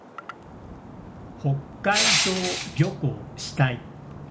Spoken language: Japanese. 北海道旅行したい。